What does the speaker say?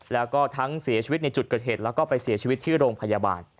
แล้วก็ทั้งเสียชีวิตในจุดเกิดเหตุแล้วก็ไปเสียชีวิตที่โรงพยาบาล